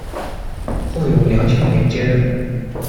后由梁星源接任。